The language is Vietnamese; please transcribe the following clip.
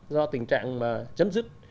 do tình trạng chấm dứt